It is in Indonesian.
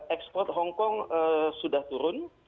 ekspor hongkong sudah turun